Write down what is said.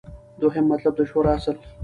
دوهم مطلب : د شورا اصل